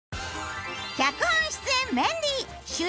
脚本・出演メンディー主演